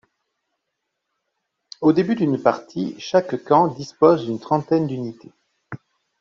Au début d’une partie, chaque camp dispose d’une trentaine d’unité.